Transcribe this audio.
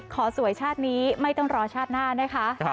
สวยชาตินี้ไม่ต้องรอชาติหน้านะคะ